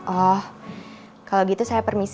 oh kalau gitu saya permisi